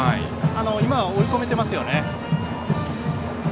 今は追い込めていますよね。